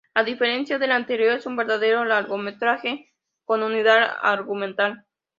A diferencia del anterior, es un verdadero largometraje, con unidad argumental.